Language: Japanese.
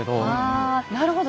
あなるほど。